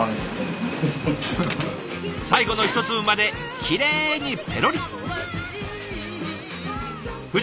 最後の一粒まできれいにペロリ。